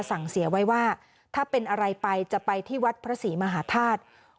สั่งเสียไว้ว่าถ้าเป็นอะไรไปจะไปที่วัดพระศรีมหาธาตุ